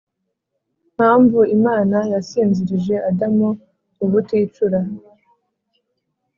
mpamvu imana yasinzirije adamu ubuticura,